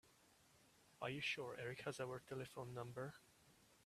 Are you sure Erik has our telephone number?